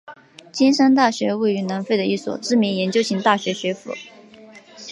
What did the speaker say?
金山大学位于南非的一所知名研究型大学学府。